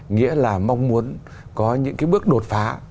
nghĩa là mong muốn có những cái bước đột phá